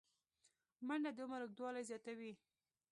منډه د عمر اوږدوالی زیاتوي